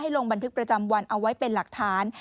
ลงบันทึกประจำวันเอาไว้เป็นหลักฐาน